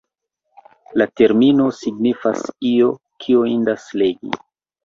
La termino signifas “io, kio indas legi”.